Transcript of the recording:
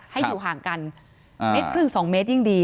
ให้อยู่ห่างกันเมตรครึ่ง๒เมตรยิ่งดี